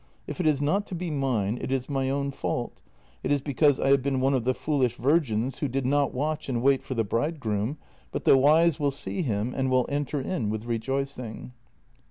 If it is not to be mine, it is my own fault; it is because I have been one of the foolish virgins who did not watch and wait for the bridgegroom, but the wise will see him and will enter in with rejoicing.